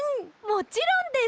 もちろんです！